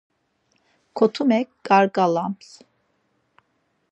Kotumek ǩarǩalaps.